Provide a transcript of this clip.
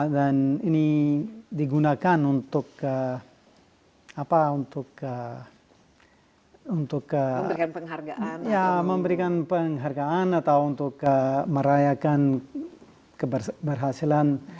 dan ini digunakan untuk apa untuk untuk memberikan penghargaan atau untuk merayakan keberhasilan